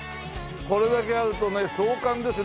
これだけあるとね壮観ですよ。